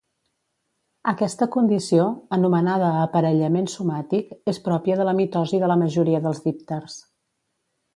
Aquesta condició, anomenada aparellament somàtic és pròpia de la mitosi de la majoria dels dípters.